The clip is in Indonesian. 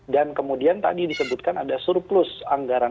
dan kemudian tadi disebutkan ada surplus anggaran